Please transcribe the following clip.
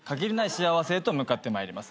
幸せへと向かってまいります。